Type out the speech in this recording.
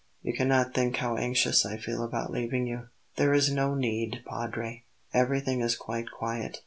You cannot think how anxious I feel about leaving you." "There is no need, Padre; everything is quite quiet.